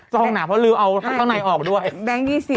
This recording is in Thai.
ซองหนักเพราะลืมเอาข้างในออกด้วยก็ขันขนับใหญ่ดีนะ